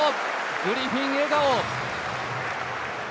グリフィン、笑顔。